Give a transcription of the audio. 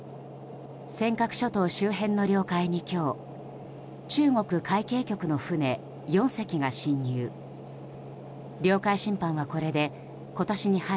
尖閣諸島周辺の領海に今日中国海警局の船４隻が侵入。